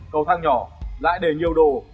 cầu thang nhỏ lại để nhiều đồ